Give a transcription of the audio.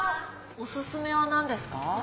お薦めは何ですか？